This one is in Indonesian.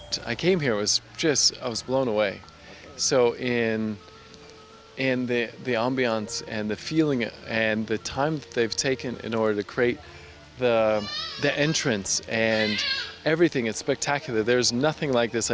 di kanan kiri kita dikasih pemandangan view alam banget nih